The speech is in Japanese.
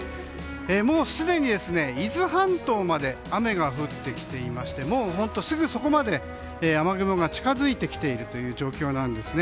もうすでに、伊豆半島まで雨が降ってきていましてもうすぐそこまで雨雲が近づいてきている状況です。